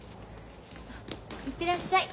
行ってらっしゃい。